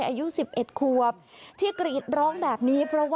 อิหยุดเมื่อกี๊